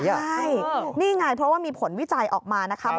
ใช่นี่ไงเพราะว่ามีผลวิจัยออกมานะคะ